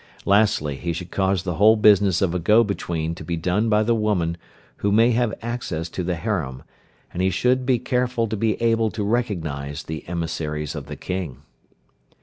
Lastly he should cause the whole business of a go between to be done by the woman who may have access to the harem, and he should be careful to be able to recognize the emissaries of the King.